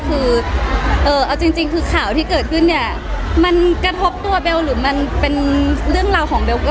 เพราะคือข่าวที่เกิดขึ้นมันกระทบตัวเบลหรือมันเป็นเรื่องหลังของเบล